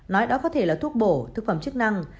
nói đó có thể là thuốc bổ thực phẩm chức năng